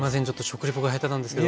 食レポが下手なんですけど。